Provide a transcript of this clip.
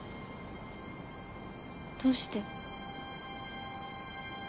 どうして？